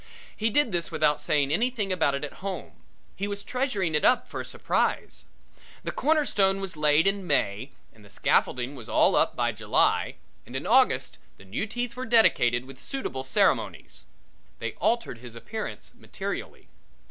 He did this without saying anything about it at home; he was treasuring it up for a surprise. The corner stone was laid in May and the scaffolding was all up by July and in August the new teeth were dedicated with suitable ceremonies. They altered his appearance materially.